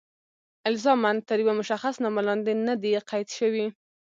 الزاماً تر یوه مشخص نامه لاندې نه دي قید شوي.